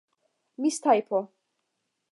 mistajpo